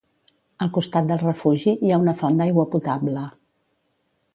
Al costat del refugi, hi ha una font d'aigua potable.